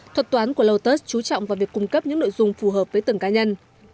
thuật toán của lotus chú trọng vào việc cung cấp những nội dung phù hợp với từng cá nhân